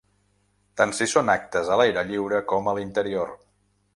Tant si són actes a l’aire lliure com a l’interior.